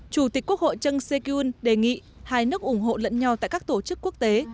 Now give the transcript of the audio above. chủ tịch quốc hội trần sê kyung đề nghị hai nước ủng hộ lẫn nhau tại các tổ chức quốc tế